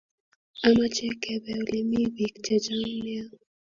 Amache kebe ole mi bik chechang nea